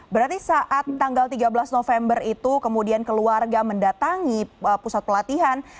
berarti saat tanggal tiga belas november itu kemudian keluarga mendatangi pusat pelatihan